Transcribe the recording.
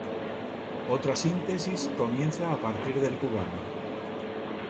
Otra síntesis comienza a partir del cubano.